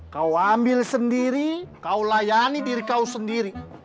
kau ambil sendiri kau layani diri kau sendiri